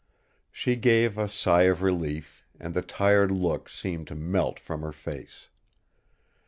She gave a sigh of relief, and the tired look seemed to melt from her face.